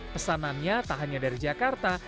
pesanannya tak hanya dari jakarta